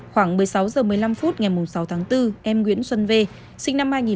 khoảng một mươi sáu h một mươi năm phút ngày sáu tháng bốn em nguyễn xuân v sinh năm hai nghìn